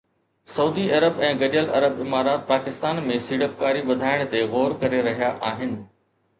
سعودي عرب ۽ گڏيل عرب امارات پاڪستان ۾ سيڙپڪاري وڌائڻ تي غور ڪري رهيا آهن